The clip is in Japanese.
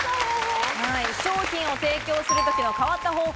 商品を提供するときの変わった方法。